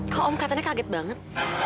kok om keliatannya kaget banget